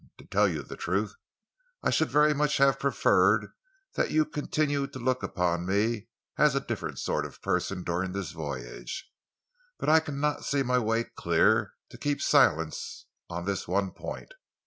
To tell you the truth, I should very much have preferred that you continued to look upon me as a different sort of person during this voyage, but I cannot see my way clear to keep silence on this one point.